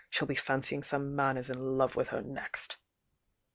She'll be fancying some man is in love with her next!"